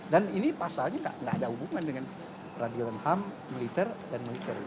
dan ini pasalnya tidak ada hubungan dengan peradilan ham militer dan militer